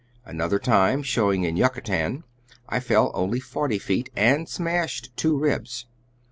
Another time, showing in Yucatan, I fell only forty feet, and smashed two ribs.